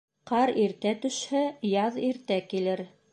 Ҡар иртә төшһә, яҙ иртә килер.